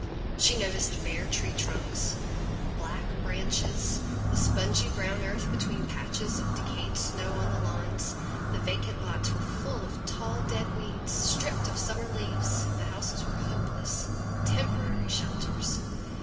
She noted bare tree trunks, black branches, the spongy brown earth between patches of decayed snow on the lawns. The vacant lots were full of tall dead weeds. Stripped of summer leaves the houses were hopeless temporary shelters.